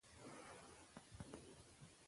هغې بیا د کیمیا نوبل جایزه وګټله.